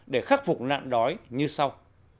để khắc phục nạn đói như sau